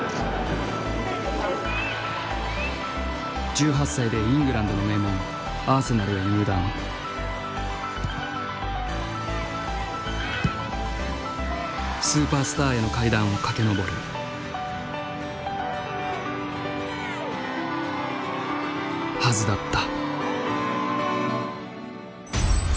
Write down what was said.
１８歳でイングランドの名門スーパースターへの階段を駆け上る。はずだった。